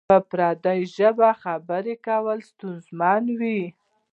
په پردۍ ژبه خبری کول ستونزمن وی؟